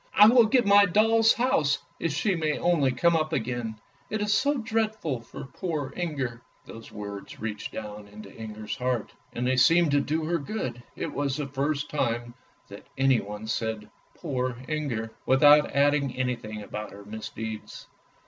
" I will give my doll's house if she may only come up again', it is so dreadful for poor Inger." These words reached down into Inger's heart, and they seemed to do her good. It was the first time that anyone said " Poor Inger," without adding anything about her misdeeds.